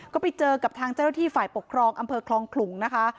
ก็ไปเจอกับทางเจ้าหน้าที่ฝ่ายปกครองอำเภอคลองขลุงนะคะ